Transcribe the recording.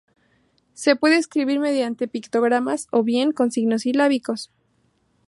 Se puede escribir mediante pictogramas o bien con signos silábicos.